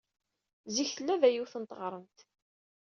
Zik tella da yiwet n teɣremt.